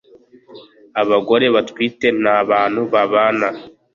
abagore batwite na bantu babana